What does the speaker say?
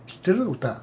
歌。